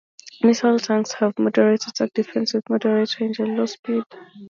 Missile tanks have moderate attack and defense with moderate range and low speed.